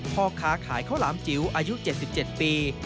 พ่อค้าขายข้าวหลามจิ๋วอายุ๗๗ปี